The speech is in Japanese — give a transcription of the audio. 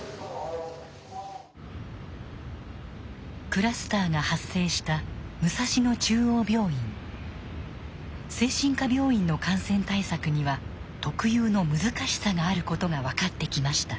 クラスターが発生した精神科病院の感染対策には特有の難しさがあることが分かってきました。